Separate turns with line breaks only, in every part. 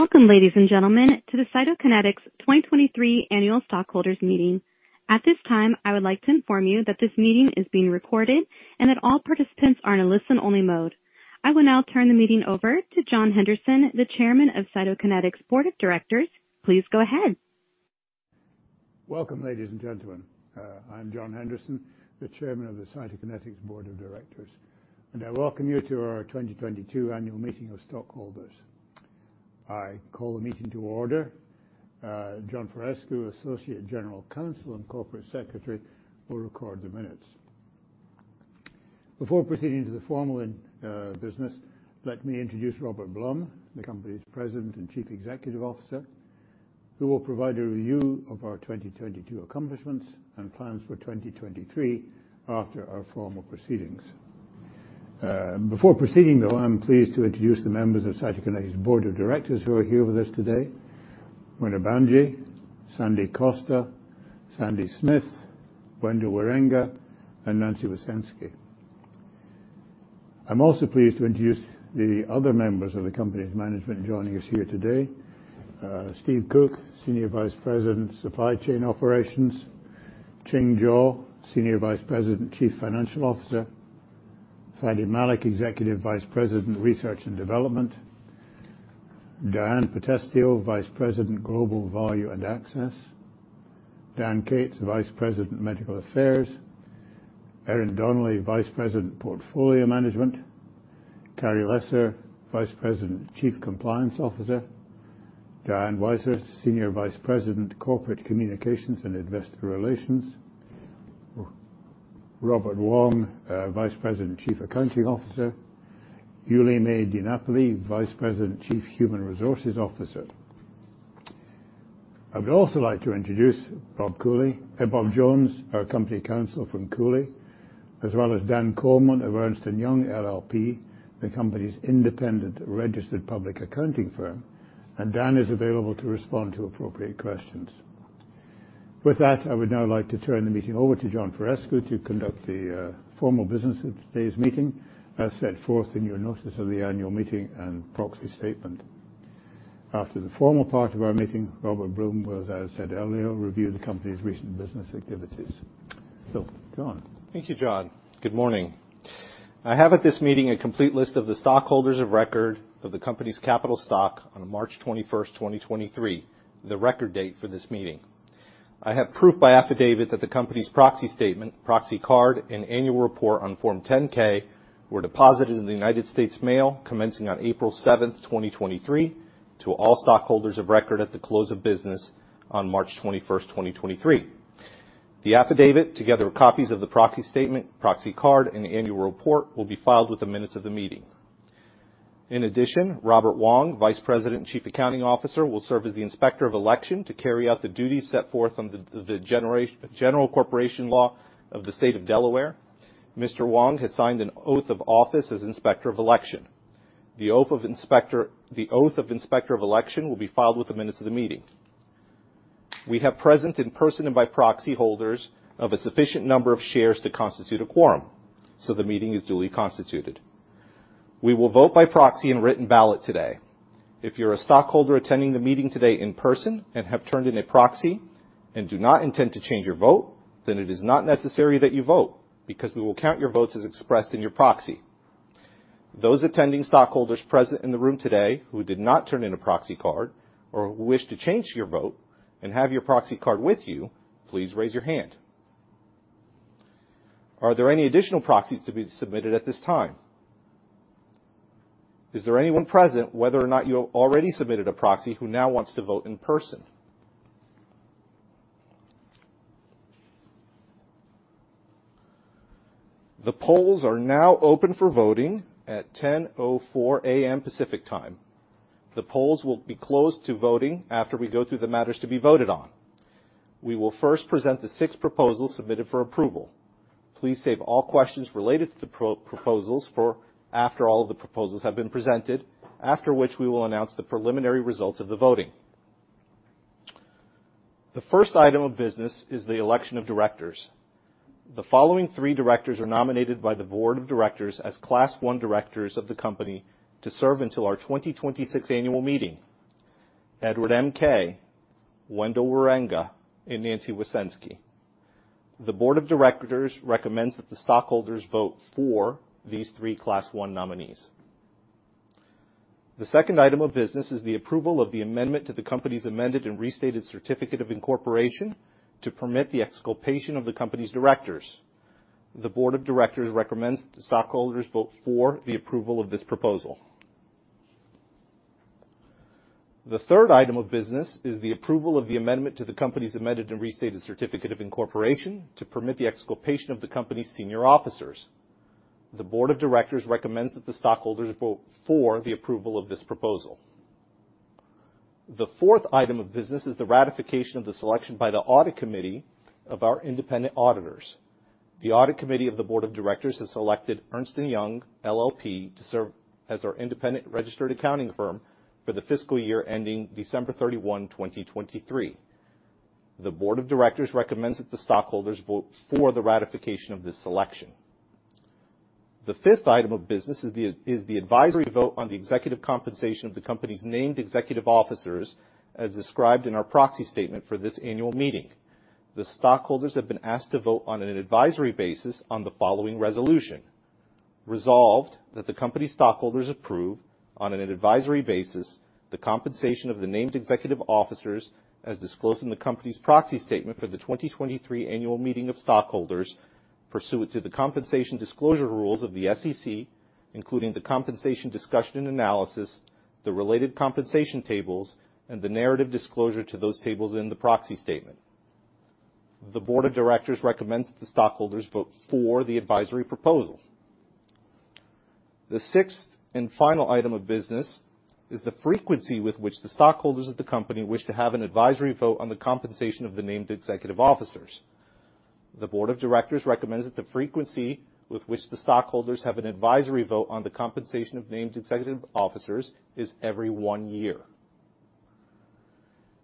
Welcome, ladies and gentlemen, to the Cytokinetics 2023 Annual Stockholders Meeting. At this time, I would like to inform you that this meeting is being recorded and that all participants are in a listen-only mode. I will now turn the meeting over to John Henderson, the Chairman of Cytokinetics' Board of Directors. Please go ahead.
Welcome, ladies and gentlemen. I'm John Henderson, the Chairman of the Cytokinetics Board of Directors, and I welcome you to our 2022 Annual Meeting of Stockholders. I call the meeting to order. John Faurescu, Associate General Counsel and Corporate Secretary, will record the minutes. Before proceeding to the formal business, let me introduce Robert Blum, the company's President and Chief Executive Officer, who will provide a review of our 2022 accomplishments and plans for 2023 after our formal proceedings. Before proceeding though, I'm pleased to introduce the members of Cytokinetics' Board of Directors who are here with us today. Muna Bhanji, Sandy Costa, Sandy Smith, Wendell Wierenga, and Nancy Wysenski. I'm also pleased to introduce the other members of the company's management joining us here today. Steve Cook, Senior Vice President, Supply Chain Operations. Ching Jaw, Senior Vice President, Chief Financial Officer. Fady Malik, Executive Vice President, Research and Development. Diane Potestio, Vice President, Global Value and Access. Dan Kates, Vice President, Medical Affairs. Erin Donnelly, Vice President, Portfolio Management. Carrie Lesser, Vice President, Chief Compliance Officer. Diane Weiser, Senior Vice President, Corporate Communications and Investor Relations. Robert Wong, Vice President, Chief Accounting Officer. YulyMae DiNapoli, Vice President, Chief Human Resources Officer. I would also like to introduce Bob Jones, our company counsel from Cooley LLP, as well as Dan Coleman of Ernst & Young LLP, the company's independent registered public accounting firm, and Dan is available to respond to appropriate questions. With that, I would now like to turn the meeting over to John Faurescu to conduct the formal business of today's meeting, as set forth in your notice of the annual meeting and proxy statement. After the formal part of our meeting, Robert Blum will, as I said earlier, review the company's recent business activities. John.
Thank you, John. Good morning. I have at this meeting a complete list of the stockholders of record of the company's capital stock on March 21, 2023, the record date for this meeting. I have proof by affidavit that the company's proxy statement, proxy card, and annual report on Form 10-K were deposited in the United States Mail commencing on April 7, 2023 to all stockholders of record at the close of business on March 21, 2023. The affidavit, together with copies of the proxy statement, proxy card, and annual report, will be filed with the minutes of the meeting. In addition, Robert Wong, Vice President and Chief Accounting Officer, will serve as the Inspector of Election to carry out the duties set forth under the General Corporation Law of the State of Delaware. Mr. Wong has signed an oath of office as Inspector of Election. The oath of Inspector. The Oath of Inspector of Election will be filed with the minutes of the meeting. We have present in person and by proxy holders of a sufficient number of shares to constitute a quorum. The meeting is duly constituted. We will vote by proxy in written ballot today. If you're a stockholder attending the meeting today in person and have turned in a proxy and do not intend to change your vote, it is not necessary that you vote, because we will count your votes as expressed in your proxy. Those attending stockholders present in the room today who did not turn in a proxy card or who wish to change your vote and have your proxy card with you, please raise your hand. Are there any additional proxies to be submitted at this time? Is there anyone present, whether or not you already submitted a proxy, who now wants to vote in person? The polls are now open for voting at 10:04 A.M. Pacific Time. The polls will be closed to voting after we go through the matters to be voted on. We will first present the six proposals submitted for approval. Please save all questions related to the proposals for after all of the proposals have been presented, after which we will announce the preliminary results of the voting. The first item of business is the election of directors. The following three directors are nominated by the board of directors as Class One directors of the company to serve until our 2026 annual meeting. Edward M. Kaye, Wendell Wierenga, and Nancy Wysenski. The board of directors recommends that the stockholders vote for these three Class One nominees. The second item of business is the approval of the amendment to the company's amended and restated certificate of incorporation to permit the exculpation of the company's directors. The board of directors recommends that the stockholders vote for the approval of this proposal. The third item of business is the approval of the amendment to the company's amended and restated certificate of incorporation to permit the exculpation of the company's senior officers. The board of directors recommends that the stockholders vote for the approval of this proposal. The fourth item of business is the ratification of the selection by the audit committee of our independent auditors. The audit committee of the board of directors has selected Ernst & Young LLP to serve as our independent registered accounting firm for the fiscal year ending December 31, 2023. The board of directors recommends that the stockholders vote for the ratification of this selection. The fifth item of business is the advisory vote on the executive compensation of the company's named executive officers, as described in our proxy statement for this annual meeting. The stockholders have been asked to vote on an advisory basis on the following resolution. Resolved that the company stockholders approve on an advisory basis the compensation of the named executive officers, as disclosed in the company's proxy statement for the 2023 annual meeting of stockholders pursuant to the compensation disclosure rules of the SEC, including the compensation discussion and analysis, the related compensation tables, and the narrative disclosure to those tables in the proxy statement. The board of directors recommends that the stockholders vote for the advisory proposal. The sixth and final item of business is the frequency with which the stockholders of the company wish to have an advisory vote on the compensation of the named executive officers. The board of directors recommends that the frequency with which the stockholders have an advisory vote on the compensation of named executive officers is every one year.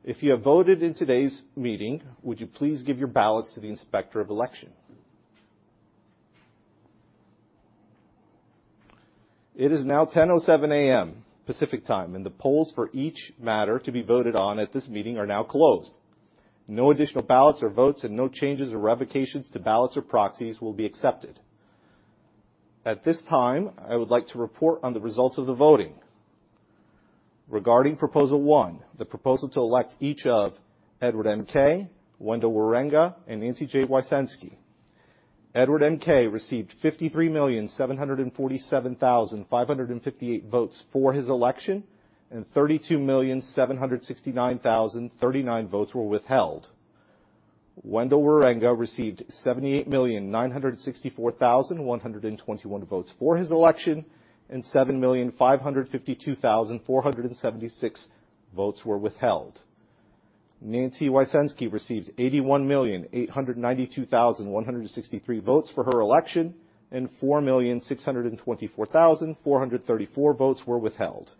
If you have voted in today's meeting, would you please give your ballots to the Inspector of Election? It is now 10:07 A.M. Pacific Time, and the polls for each matter to be voted on at this meeting are now closed. No additional ballots or votes and no changes or revocations to ballots or proxies will be accepted. At this time, I would like to report on the results of the voting. Regarding proposal one, the proposal to elect each of Edward M. Kaye, Wendell Wierenga, and Nancy J. Wysenski. Edward M. Kaye received 53,747,558 votes for his election, and 32,769,039 votes were withheld. Wendell Wierenga received 78,964,121 votes for his election, and 7,552,476 votes were withheld. Nancy Wysenski received 81,892,163 votes for her election, and 4,624,434 votes were withheld.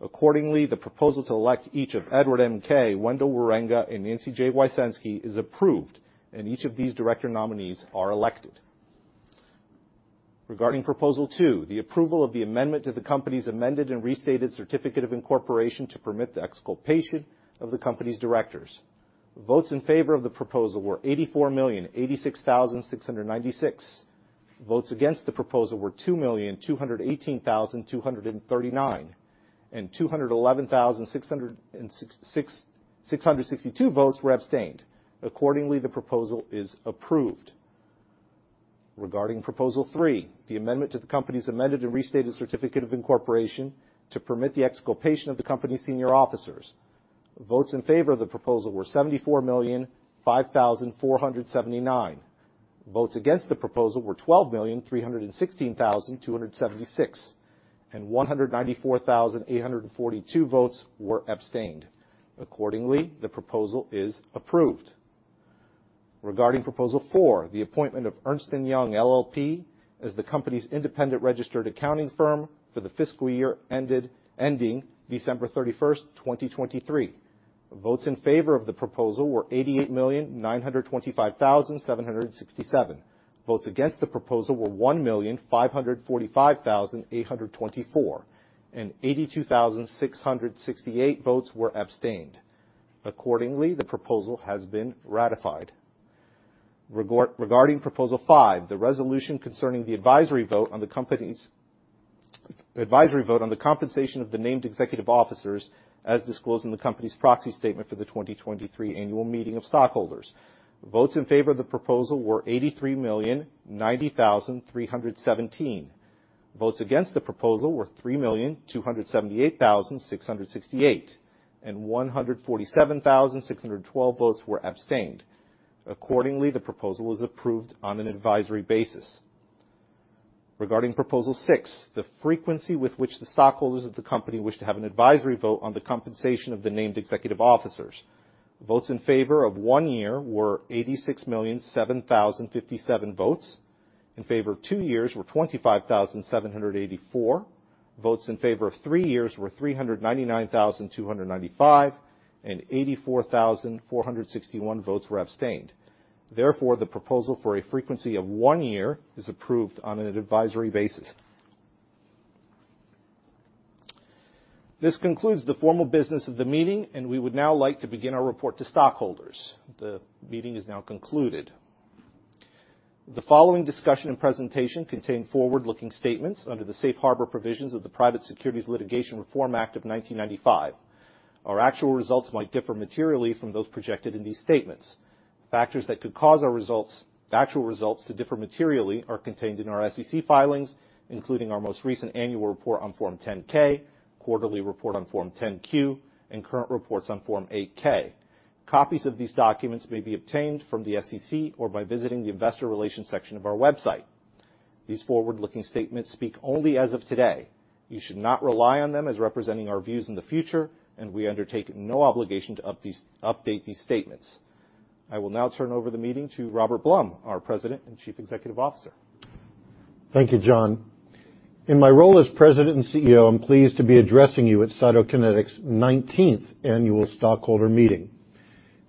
Accordingly, the proposal to elect each of Edward M. Kaye, Wendell Wierenga, and Nancy J. Wysenski is approved, and each of these director nominees are elected. Regarding proposal 2, the approval of the amendment to the company's amended and restated certificate of incorporation to permit the exculpation of the company's directors. Votes in favor of the proposal were 84,086,696. Votes against the proposal were 2,218,239, and 211,662 votes were abstained. Accordingly, the proposal is approved. Regarding proposal 3, the amendment to the company's amended and restated certificate of incorporation to permit the exculpation of the company's senior officers. Votes in favor of the proposal were 74,005,479. Votes against the proposal were 12,316,276, and 194,842 votes were abstained. Accordingly, the proposal is approved. Regarding proposal 4, the appointment of Ernst & Young LLP as the company's independent registered accounting firm for the fiscal year ending December 31, 2023. Votes in favor of the proposal were 88,925,767. Votes against the proposal were 1,545,824, and 82,668 votes were abstained. Accordingly, the proposal has been ratified. Regarding Proposal Five, the resolution concerning the Advisory Vote on the Compensation of the Named Executive Officers, as disclosed in the company's Proxy Statement for the 2023 Annual Meeting of Stockholders. Votes in favor of the proposal were 83,090,317. Votes against the proposal were 3,278,668, and 147,612 votes were abstained. Accordingly, the proposal is approved on an advisory basis. Regarding proposal 6, the frequency with which the stockholders of the company wish to have an advisory vote on the compensation of the named executive officers. Votes in favor of one year were 86,007,057 votes. In favor of two years were 25,784. Votes in favor of three years were 399,295, and 84,461 votes were abstained. Therefore, the proposal for a frequency of one year is approved on an advisory basis. This concludes the formal business of the meeting, and we would now like to begin our report to stockholders. The meeting is now concluded. The following discussion and presentation contain forward-looking statements under the safe harbor provisions of the Private Securities Litigation Reform Act of 1995. Our actual results might differ materially from those projected in these statements. Factors that could cause our results, the actual results to differ materially are contained in our SEC filings, including our most recent annual report on Form 10-K, quarterly report on Form 10-Q, and current reports on Form 8-K. Copies of these documents may be obtained from the SEC or by visiting the investor relations section of our website. These forward-looking statements speak only as of today. You should not rely on them as representing our views in the future, and we undertake no obligation to update these statements. I will now turn over the meeting to Robert Blum, our President and Chief Executive Officer.
Thank you, John.
In my role as president and CEO, I'm pleased to be addressing you at Cytokinetics 19th annual stockholder meeting.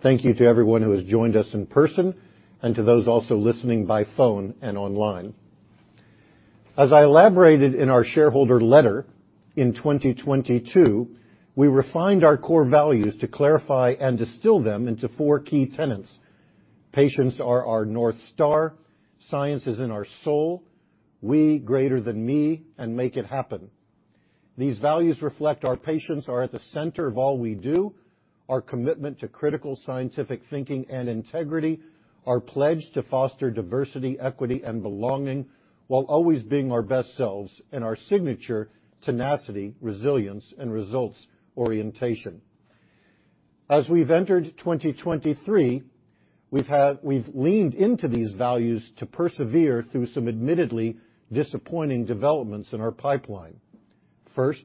Thank you to everyone who has joined us in person, and to those also listening by phone and online. As I elaborated in our shareholder letter in 2022, we refined our core values to clarify and distill them into four key tenets. Patients are our North Star. Science is in our soul, we greater than me, and make it happen. These values reflect our patients are at the center of all we do, our commitment to critical scientific thinking and integrity, our pledge to foster diversity, equity, and belonging while always being our best selves, and our signature tenacity, resilience, and results orientation. As we've entered 2023, we've leaned into these values to persevere through some admittedly disappointing developments in our pipeline. First,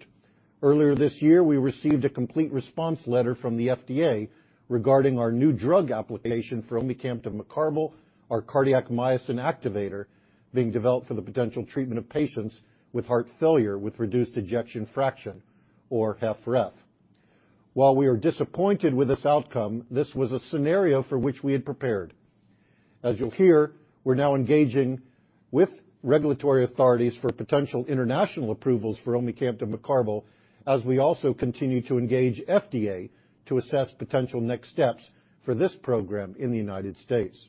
earlier this year, we received a Complete Response Letter from the FDA regarding our New Drug Application for omecamtiv mecarbil, our cardiac myosin activator being developed for the potential treatment of patients with heart failure with reduced ejection fraction or HFrEF. While we are disappointed with this outcome, this was a scenario for which we had prepared. As you'll hear, we're now engaging with regulatory authorities for potential international approvals for omecamtiv mecarbil, as we also continue to engage FDA to assess potential next steps for this program in the United States.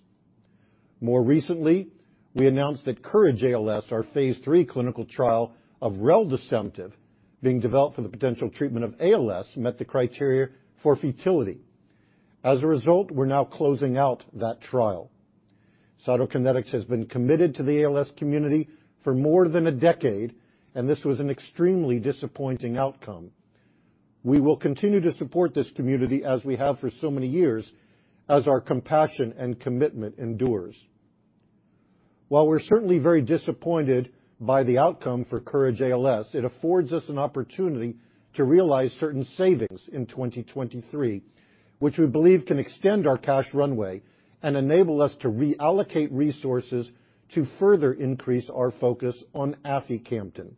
More recently, we announced that COURAGE-ALS, our Phase III clinical trial of reldesemtiv being developed for the potential treatment of ALS, met the criteria for futility. As a result, we're now closing out that trial. Cytokinetics has been committed to the ALS community for more than a decade, and this was an extremely disappointing outcome. We will continue to support this community, as we have for so many years, as our compassion and commitment endures. While we're certainly very disappointed by the outcome for COURAGE-ALS, it affords us an opportunity to realize certain savings in 2023, which we believe can extend our cash runway and enable us to reallocate resources to further increase our focus on aficamten.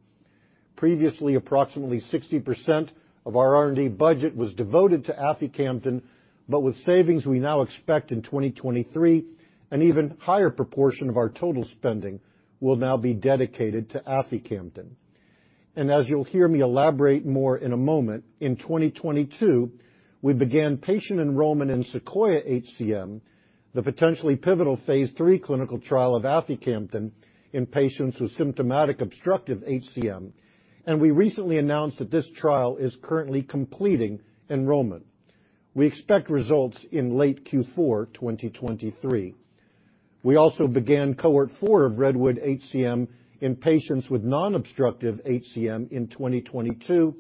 Previously, approximately 60% of our R&D budget was devoted to aficamten. With savings we now expect in 2023, an even higher proportion of our total spending will now be dedicated to aficamten. As you'll hear me elaborate more in a moment, in 2022, we began patient enrollment in SEQUOIA-HCM, the potentially pivotal Phase III clinical trial of aficamten in patients with symptomatic obstructive HCM, and we recently announced that this trial is currently completing enrollment. We expect results in late Q4 2023. We also began cohort 4 of REDWOOD-HCM in patients with non-obstructive HCM in 2022,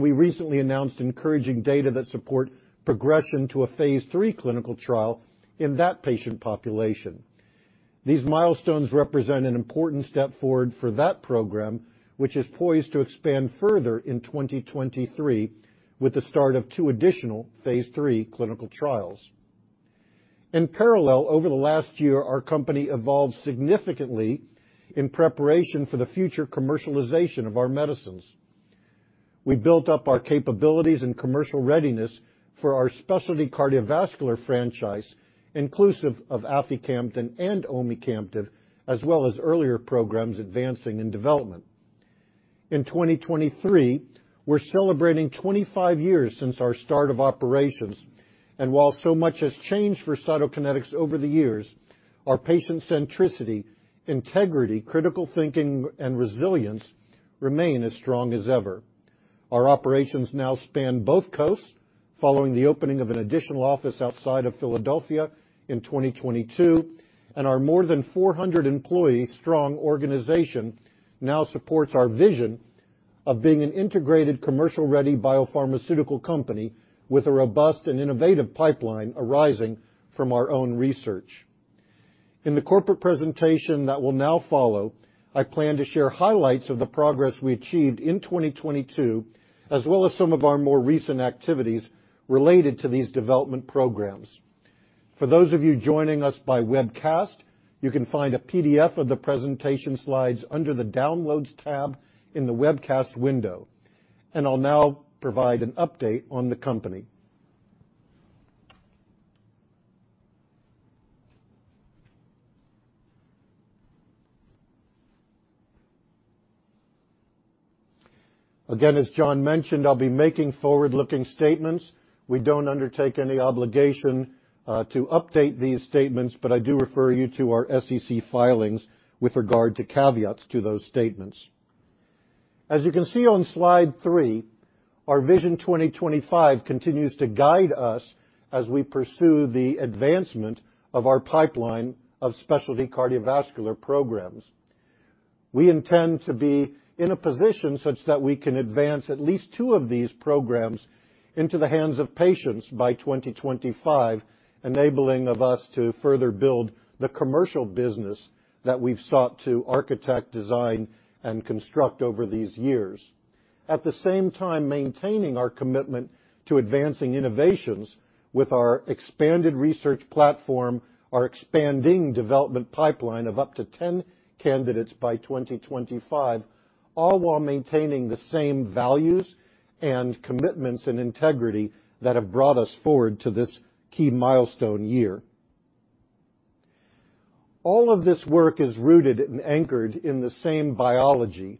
we recently announced encouraging data that support progression to a Phase III clinical trial in that patient population. These milestones represent an important step forward for that program, which is poised to expand further in 2023 with the start of two additional Phase III clinical trials. In parallel, over the last year, our company evolved significantly in preparation for the future commercialization of our medicines. We built up our capabilities and commercial readiness for our specialty cardiovascular franchise, inclusive of aficamten and omecamtiv, as well as earlier programs advancing in development. In 2023, we're celebrating 25 years since our start of operations. While so much has changed for Cytokinetics over the years, our patient centricity, integrity, critical thinking, and resilience remain as strong as ever. Our operations now span both coasts following the opening of an additional office outside of Philadelphia in 2022, and our more than 400 employee-strong organization now supports our vision of being an integrated, commercial-ready biopharmaceutical company with a robust and innovative pipeline arising from our own research. In the corporate presentation that will now follow, I plan to share highlights of the progress we achieved in 2022, as well as some of our more recent activities related to these development programs. For those of you joining us by webcast, you can find a PDF of the presentation slides under the Downloads tab in the webcast window. I'll now provide an update on the company. As John mentioned, I'll be making forward-looking statements. We don't undertake any obligation to update these statements, but I do refer you to our SEC filings with regard to caveats to those statements. As you can see on slide three, our Vision 2025 continues to guide us as we pursue the advancement of our pipeline of specialty cardiovascular programs. We intend to be in a position such that we can advance at least two of these programs into the hands of patients by 2025, enabling of us to further build the commercial business that we've sought to architect, design, and construct over these years. At the same time, maintaining our commitment to advancing innovations with our expanded research platform, our expanding development pipeline of up to 10 candidates by 2025, all while maintaining the same values and commitments and integrity that have brought us forward to this key milestone year. All of this work is rooted and anchored in the same biology,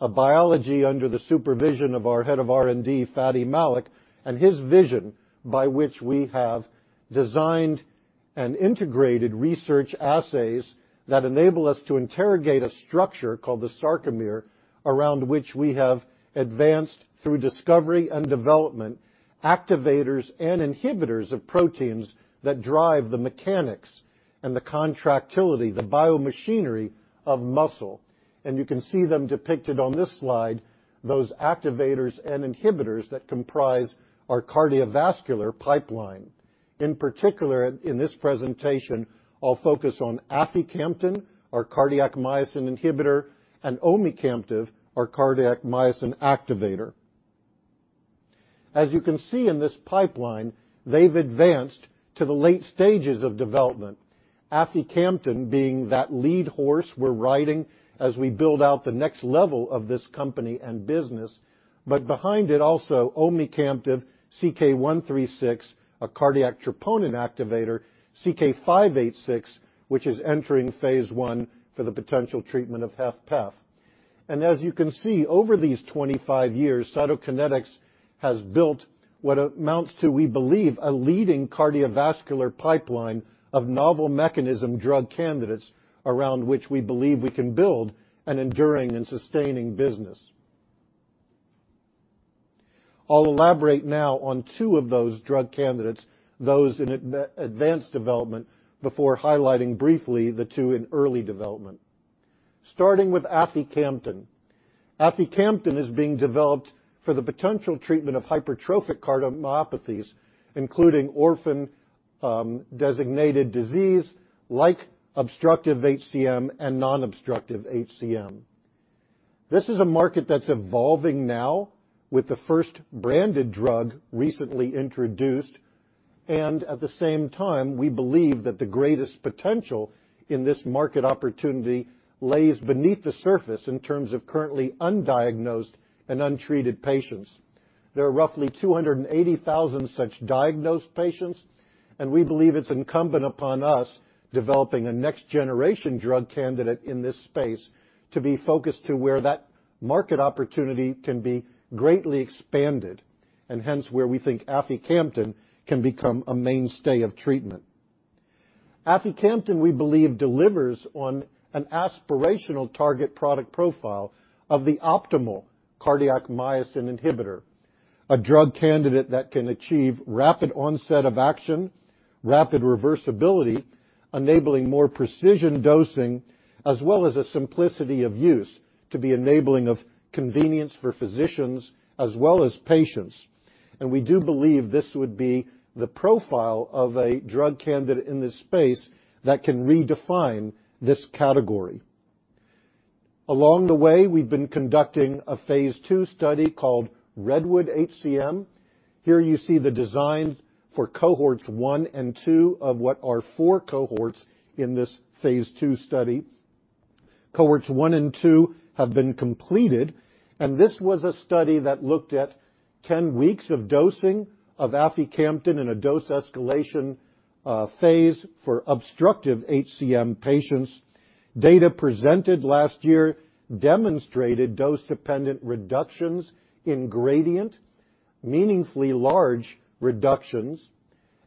a biology under the supervision of our head of R&D, Fady Malik, and his vision by which we have designed and integrated research assays that enable us to interrogate a structure called the sarcomere, around which we have advanced through discovery and development, activators and inhibitors of proteins that drive the mechanics and the contractility, the biomachinery of muscle. You can see them depicted on this slide, those activators and inhibitors that comprise our cardiovascular pipeline. In particular, in this presentation, I'll focus on aficamten, our cardiac myosin inhibitor, and omecamtiv, our cardiac myosin activator. As you can see in this pipeline, they've advanced to the late stages of development. Aficamten being that lead horse we're riding as we build out the next level of this company and business. Behind it also, omecamtiv, CK-136, a cardiac troponin activator, CK-586, which is entering Phase I for the potential treatment of HFpEF. And as you can see, over these 25 years, Cytokinetics has built what amounts to, we believe, a leading cardiovascular pipeline of novel mechanism drug candidates around which we believe we can build an enduring and sustaining business. I'll elaborate now on two of those drug candidates, those in advanced development before highlighting briefly the two in early development. Starting with aficamten. Aficamten is being developed for the potential treatment of hypertrophic cardiomyopathies, including orphan designated disease like obstructive HCM and non-obstructive HCM. This is a market that's evolving now with the first branded drug recently introduced, and at the same time, we believe that the greatest potential in this market opportunity lays beneath the surface in terms of currently undiagnosed and untreated patients. There are roughly 280,000 such diagnosed patients, and we believe it's incumbent upon us developing a next-generation drug candidate in this space to be focused to where that market opportunity can be greatly expanded, and hence, where we think aficamten can become a mainstay of treatment. Aficamten, we believe, delivers on an aspirational target product profile of the optimal cardiac myosin inhibitor, a drug candidate that can achieve rapid onset of action, rapid reversibility, enabling more precision dosing, as well as a simplicity of use to be enabling of convenience for physicians as well as patients. We do believe this would be the profile of a drug candidate in this space that can redefine this category. Along the way, we've been conducting a Phase II study called REDWOOD-HCM. Here you see the design for cohorts 1 and 2 of what are 4 cohorts in this Phase II study. Cohorts 1 and 2 have been completed, and this was a study that looked at 10 weeks of dosing of aficamten in a dose escalation Phase for obstructive HCM patients. Data presented last year demonstrated dose-dependent reductions in gradient, meaningfully large reductions,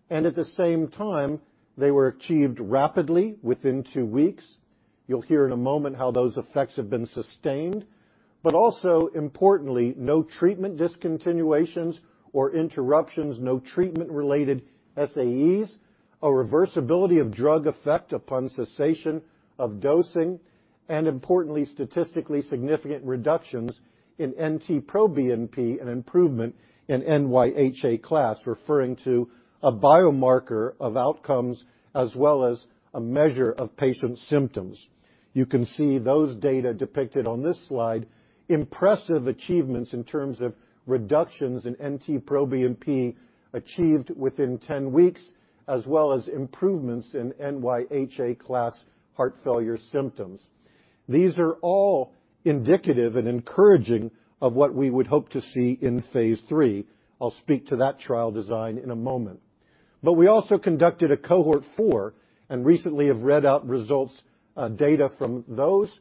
and at the same time, they were achieved rapidly within two weeks. You'll hear in a moment how those effects have been sustained. Also importantly, no treatment discontinuations or interruptions, no treatment-related SAEs, a reversibility of drug effect upon cessation of dosing, and importantly, statistically significant reductions in NT-proBNP and improvement in NYHA class, referring to a biomarker of outcomes as well as a measure of patient symptoms. You can see those data depicted on this slide, impressive achievements in terms of reductions in NT-proBNP achieved within 10 weeks, as well as improvements in NYHA class heart failure symptoms. These are all indicative and encouraging of what we would hope to see in Phase III. I'll speak to that trial design in a moment. We also conducted a cohort 4 and recently have read out results, data from those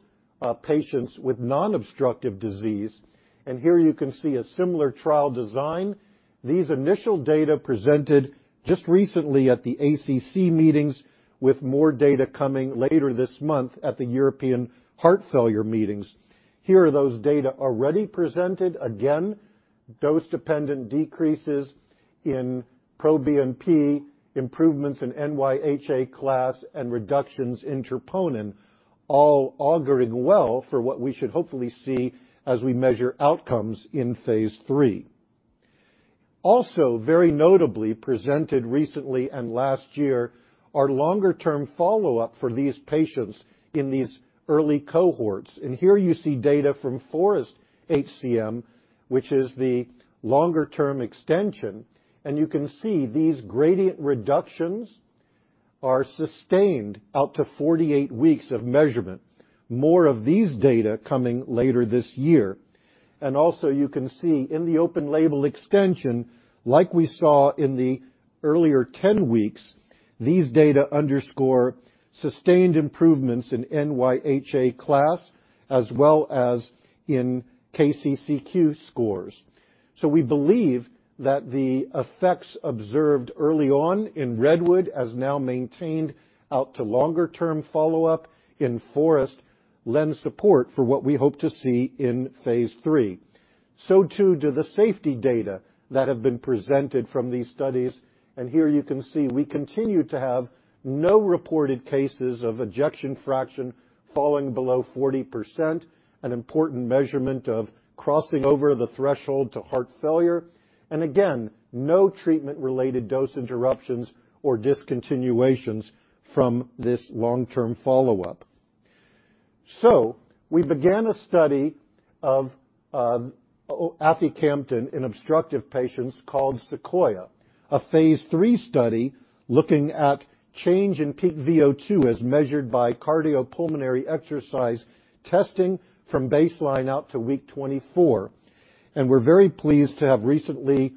patients with non-obstructive disease. Here you can see a similar trial design. These initial data presented just recently at the ACC meetings with more data coming later this month at the European Heart Failure meetings. Here are those data already presented. Again, dose-dependent decreases in NT-proBNP, improvements in NYHA class, and reductions in troponin, all auguring well for what we should hopefully see as we measure outcomes in Phase III. Also, very notably presented recently and last year are longer-term follow-up for these patients in these early cohorts. Here you see data from FOREST-HCM, which is the longer-term extension. You can see these gradient reductions are sustained out to 48 weeks of measurement. More of these data coming later this year. Also you can see in the open label extension, like we saw in the earlier 10 weeks, these data underscore sustained improvements in NYHA class as well as in KCCQ scores. We believe that the effects observed early on in REDWOOD as now maintained out to longer-term follow-up in FOREST lend support for what we hope to see in Phase III. Too do the safety data that have been presented from these studies. Here you can see we continue to have no reported cases of ejection fraction falling below 40%, an important measurement of crossing over the threshold to heart failure. Again, no treatment-related dose interruptions or discontinuations from this long-term follow-up. We began a study of aficamten in obstructive patients called SEQUOIA, a Phase III study looking at change in peak VO2 as measured by cardiopulmonary exercise testing from baseline out to week 24. We're very pleased to have recently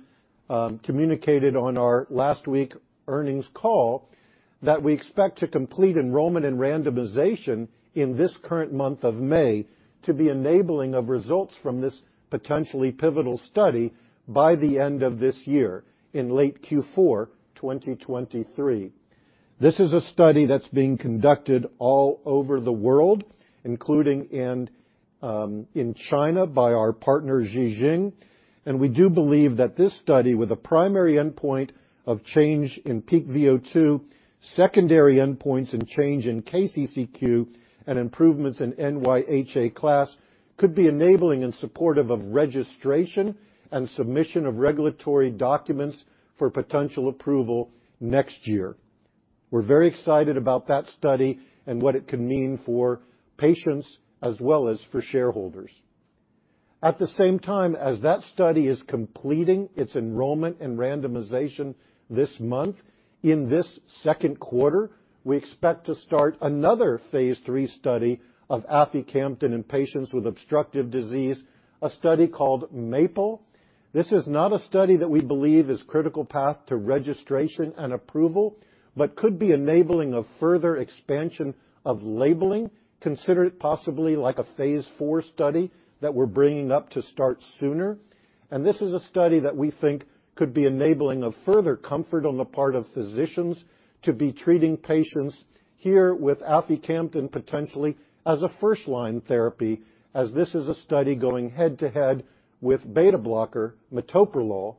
communicated on our last week earnings call that we expect to complete enrollment and randomization in this current month of May to be enabling of results from this potentially pivotal study by the end of this year in late Q4 2023. This is a study that's being conducted all over the world, including in China by our partner Ji Xing. We do believe that this study with a primary endpoint of change in peak VO2, secondary endpoints and change in KCCQ and improvements in NYHA class could be enabling and supportive of registration and submission of regulatory documents for potential approval next year. We're very excited about that study and what it can mean for patients as well as for shareholders. At the same time as that study is completing its enrollment and randomization this month, in this second quarter, we expect to start another Phase III study of aficamten in patients with obstructive disease, a study called MAPLE. This is not a study that we believe is critical path to registration and approval, but could be enabling a further expansion of labeling, consider it possibly like a Phase IV study that we're bringing up to start sooner. This is a study that we think could be enabling a further comfort on the part of physicians to be treating patients here with aficamten potentially as a first-line therapy, as this is a study going head-to-head with beta-blocker metoprolol.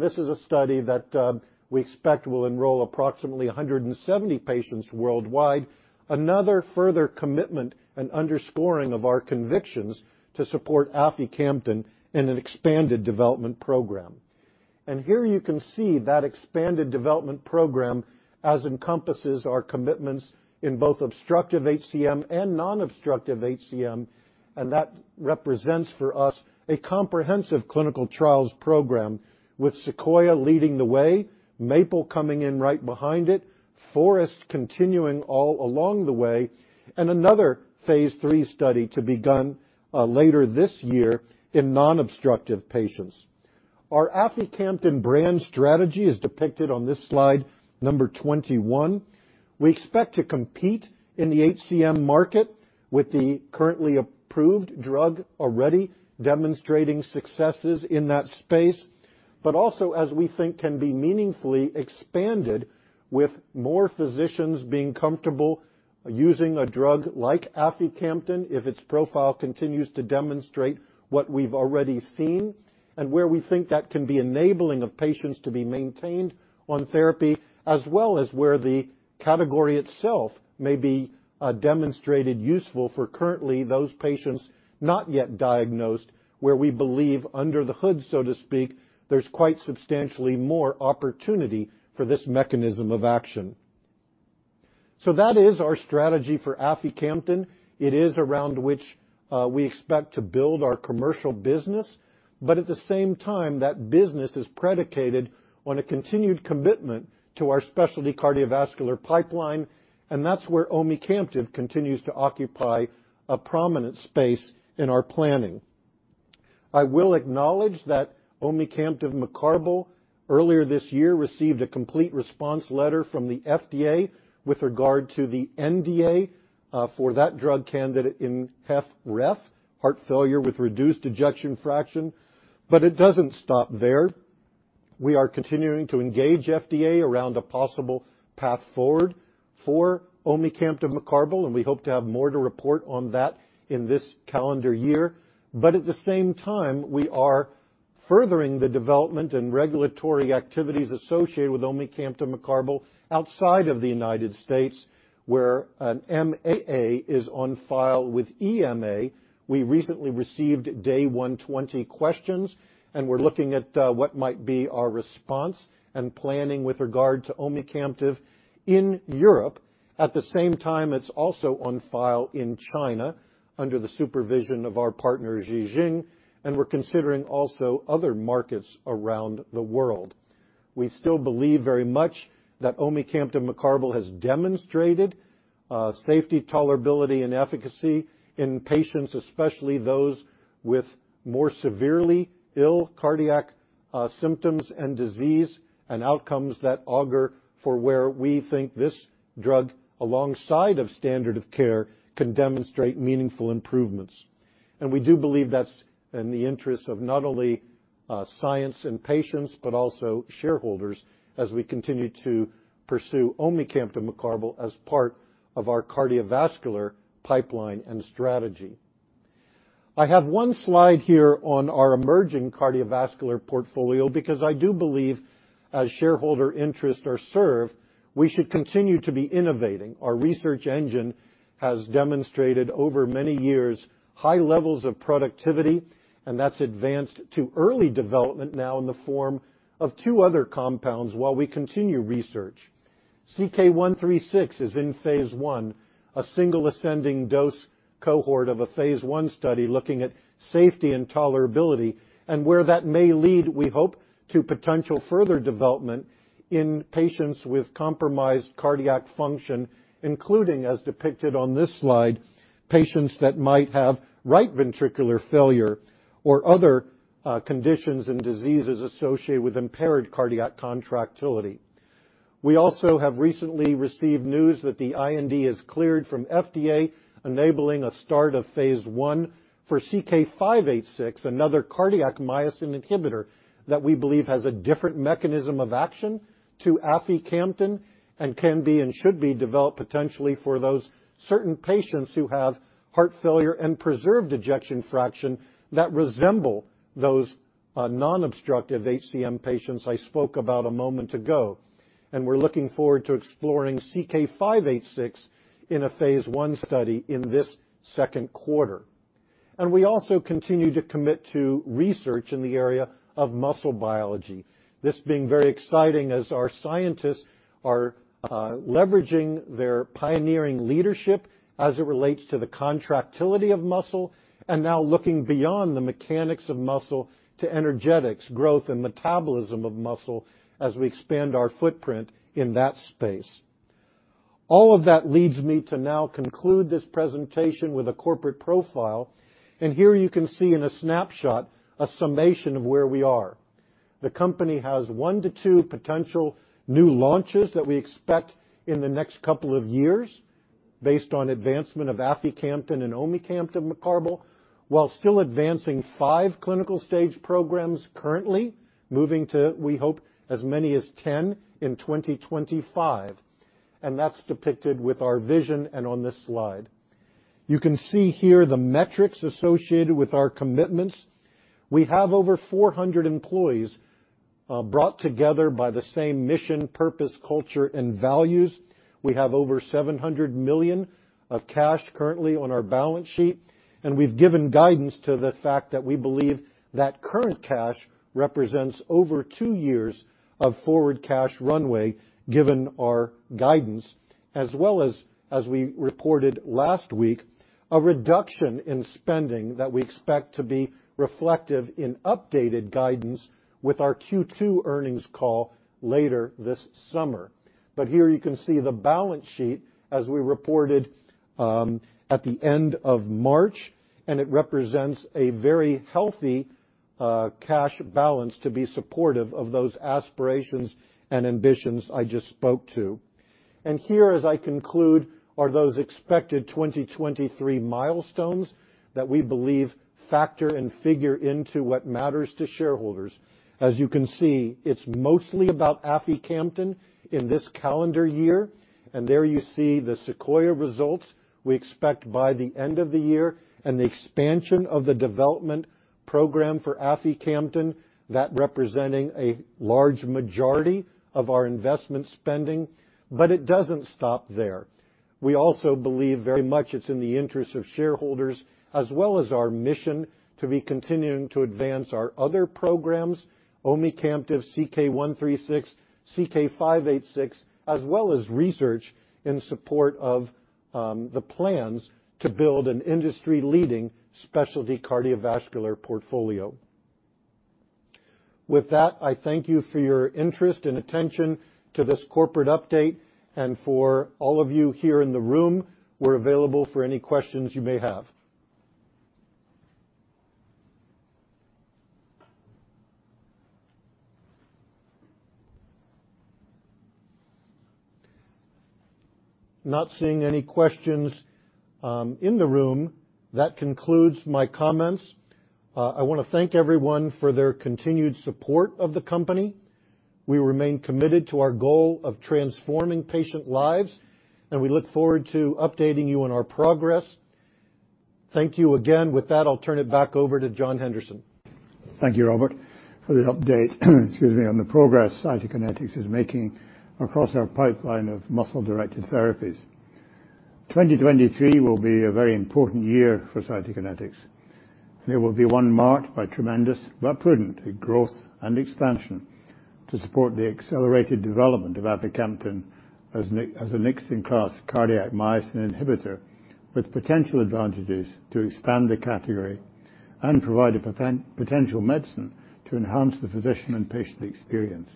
This is a study that we expect will enroll approximately 170 patients worldwide, another further commitment and underscoring of our convictions to support aficamten in an expanded development program. Here you can see that expanded development program as encompasses our commitments in both obstructive HCM and non-obstructive HCM. That represents for us a comprehensive clinical trials program with SEQUOIA leading the way, MAPLE coming in right behind it, FOREST continuing all along the way, and another Phase III study to be done later this year in non-obstructive patients. Our aficamten brand strategy is depicted on this slide number 21. We expect to compete in the HCM market with the currently approved drug already demonstrating successes in that space, also as we think can be meaningfully expanded with more physicians being comfortable using a drug like aficamten if its profile continues to demonstrate what we've already seen and where we think that can be enabling of patients to be maintained on therapy, as well as where the category itself may be demonstrated useful for currently those patients not yet diagnosed, where we believe under the hood, so to speak, there's quite substantially more opportunity for this mechanism of action. That is our strategy for aficamten. It is around which we expect to build our commercial business. At the same time, that business is predicated on a continued commitment to our specialty cardiovascular pipeline. That's where omecamtiv continues to occupy a prominent space in our planning. I will acknowledge that omecamtiv mecarbil earlier this year received a Complete Response Letter from the FDA with regard to the NDA for that drug candidate in HFrEF, heart failure with reduced ejection fraction. It doesn't stop there. We are continuing to engage FDA around a possible path forward for omecamtiv mecarbil. We hope to have more to report on that in this calendar year. At the same time, we are furthering the development and regulatory activities associated with omecamtiv mecarbil outside of the United States, where an MAA is on file with EMA. We recently received day 120 questions. We're looking at what might be our response and planning with regard to omecamtiv in Europe. At the same time, it's also on file in China under the supervision of our partner, Ji Xing, and we're considering also other markets around the world. We still believe very much that omecamtiv mecarbil has demonstrated safety, tolerability, and efficacy in patients, especially those with more severely ill cardiac symptoms and disease and outcomes that augur for where we think this drug, alongside of standard of care, can demonstrate meaningful improvements. We do believe that's in the interest of not only science and patients, but also shareholders as we continue to pursue omecamtiv mecarbil as part of our cardiovascular pipeline and strategy. I have one slide here on our emerging cardiovascular portfolio because I do believe, as shareholder interests are served, we should continue to be innovating. Our research engine has demonstrated over many years high levels of productivity. That's advanced to early development now in the form of two other compounds while we continue research. CK-136 is in Phase I, a single ascending dose cohort of a Phase I study looking at safety and tolerability, where that may lead, we hope, to potential further development in patients with compromised cardiac function, including, as depicted on this slide, patients that might have right ventricular failure or other conditions and diseases associated with impaired cardiac contractility. We also have recently received news that the IND is cleared from FDA, enabling a start of Phase I for CK-586, another cardiac myosin inhibitor that we believe has a different mechanism of action to aficamten and can be and should be developed potentially for those certain patients who have heart failure and preserved ejection fraction that resemble those non-obstructive HCM patients I spoke about a moment ago. We're looking forward to exploring CK-586 in a Phase I study in this second quarter. We also continue to commit to research in the area of muscle biology. This being very exciting as our scientists are leveraging their pioneering leadership as it relates to the contractility of muscle, and now looking beyond the mechanics of muscle to energetics, growth, and metabolism of muscle as we expand our footprint in that space. All of that leads me to now conclude this presentation with a corporate profile, and here you can see in a snapshot a summation of where we are. The company has one to two potential new launches that we expect in the next couple of years based on advancement of aficamten and omecamtiv mecarbil, while still advancing five clinical stage programs currently, moving to, we hope, as many as 10 in 2025. That's depicted with our vision and on this slide. You can see here the metrics associated with our commitments. We have over 400 employees, brought together by the same mission, purpose, culture, and values. We have over $700 million of cash currently on our balance sheet, and we've given guidance to the fact that we believe that current cash represents over two years of forward cash runway, given our guidance, as well as we reported last week, a reduction in spending that we expect to be reflective in updated guidance with our Q2 earnings call later this summer. Here you can see the balance sheet as we reported at the end of March, and it represents a very healthy cash balance to be supportive of those aspirations and ambitions I just spoke to. Here, as I conclude, are those expected 2023 milestones that we believe factor and figure into what matters to shareholders. As you can see, it's mostly about aficamten in this calendar year. There you see the SEQUOIA-HCM results we expect by the end of the year and the expansion of the development program for aficamten, that representing a large majority of our investment spending. It doesn't stop there. We also believe very much it's in the interest of shareholders as well as our mission to be continuing to advance our other programs, omecamtiv, CK-136, CK-586, as well as research in support of the plans to build an industry-leading specialty cardiovascular portfolio. With that, I thank you for your interest and attention to this corporate update. For all of you here in the room, we're available for any questions you may have. Not seeing any questions in the room. That concludes my comments. I wanna thank everyone for their continued support of the company. We remain committed to our goal of transforming patient lives. We look forward to updating you on our progress. Thank you again. With that, I'll turn it back over to John Henderson.
Thank you, Robert, for the update, excuse me, on the progress Cytokinetics is making across our pipeline of muscle-directed therapies. 2023 will be a very important year for Cytokinetics. It will be one marked by tremendous but prudent growth and expansion to support the accelerated development of aficamten as a next-in-class cardiac myosin inhibitor with potential advantages to expand the category and provide a potential medicine to enhance the physician and patient experience.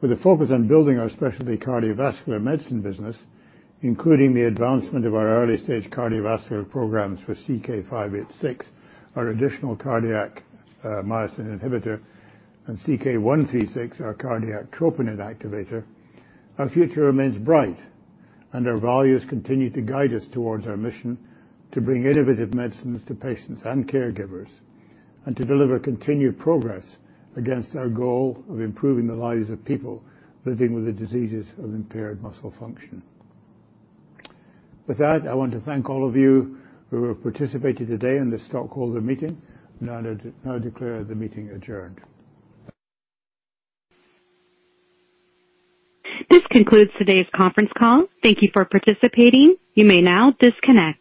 With a focus on building our specialty cardiovascular medicine business, including the advancement of our early-stage cardiovascular programs for CK-586, our additional cardiac myosin inhibitor, and CK-136, our cardiac troponin activator, our future remains bright, and our values continue to guide us towards our mission to bring innovative medicines to patients and caregivers and to deliver continued progress against our goal of improving the lives of people living with the diseases of impaired muscle function. With that, I want to thank all of you who have participated today in this stockholder meeting. Now declare the meeting adjourned.
This concludes today's conference call. Thank you for participating. You may now disconnect.